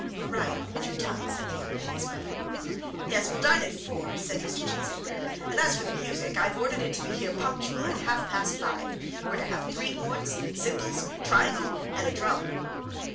"Maria, hold your tongue," said the young lady's mother. "Yes, we'll dine at four," said Mr. Cheesacre. "And as for the music, I've ordered it to be here punctual at half past five. We're to have three horns, cymbals, triangle, and a drum."